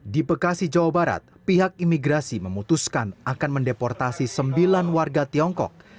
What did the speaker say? di bekasi jawa barat pihak imigrasi memutuskan akan mendeportasi sembilan warga tiongkok